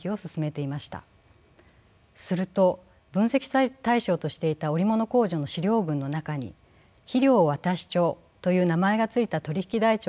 すると分析対象としていた織物工場の史料群の中に肥料渡帳という名前が付いた取引台帳が含まれていたのです。